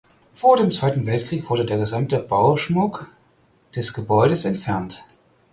Vor dem Zweiten Weltkrieg wurde der gesamte Bauschmuck des Gebäudes entfernt.